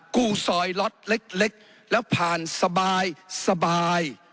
กู้สอยรถเล็กแล้วก็ผ่านสบาย